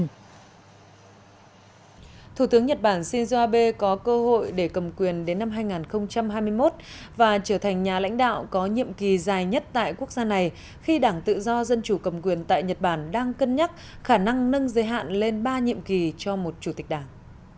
thủ tướng nhật bản shinzo abe có cơ hội để cầm quyền đến năm hai nghìn hai mươi một và trở thành nhà lãnh đạo có nhiệm kỳ dài nhất tại quốc gia này khi đảng tự do dân chủ cầm quyền tại nhật bản đang cân nhắc khả năng nâng giới hạn lên ba nhiệm kỳ cho một chủ tịch đảng